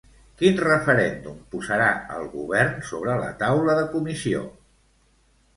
Quin referèndum posarà el govern sobre la taula de comissió?